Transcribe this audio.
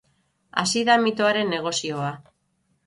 Hasi da mitoaren negozioa.